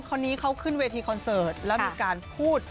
คนนี้เขาขึ้นเวทีคอนเสิร์ตแล้วมีการพูด